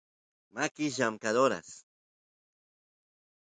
makis llamkadoras